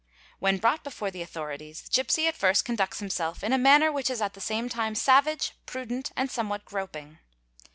4 When brought before the authorities the gipsy at first conduet himself in a manner which is at the same time savage, prudent, ¢ somewhat groping.